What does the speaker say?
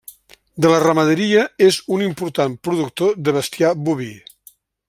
De la ramaderia, és un important productor de bestiar boví.